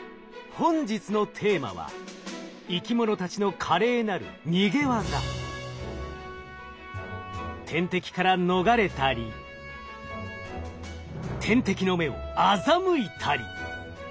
本日のテーマは生き物たちの天敵から逃れたり天敵の目を欺いたり。